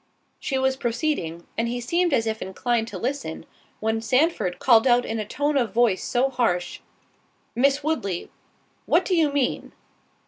She was proceeding; and he seemed as if inclined to listen, when Sandford called out in a tone of voice so harsh, "Miss Woodley, what do you mean?"